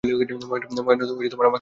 মহেন্দ্র আমাকে ভালোবাসে।